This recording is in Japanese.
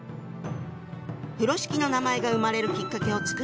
「風呂敷」の名前が生まれるきっかけを作った人がいたの。